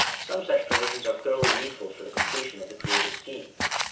Some such provisions are clearly needful for the completion of the creative scheme.